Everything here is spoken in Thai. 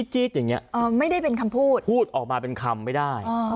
จี๊ดอย่างเงี้ยเออไม่ได้เป็นคำพูดพูดออกมาเป็นคำไม่ได้อ๋อ